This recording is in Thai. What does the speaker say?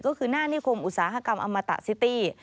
ก็คือหน้านิคมอุตสาหกรรมอมตะซิตี้